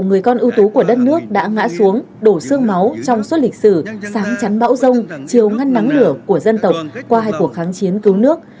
người con ưu tú của đất nước đã ngã xuống đổ sương máu trong suốt lịch sử sáng chắn bão rông chiều ngăn nắng lửa của dân tộc qua hai cuộc kháng chiến cứu nước